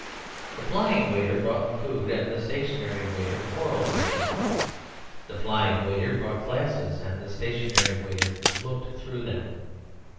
The "flying waiter" brought the food and the "stationary waiter" quarrelled with him; the "flying waiter" brought glasses and the "stationary waiter" looked through them.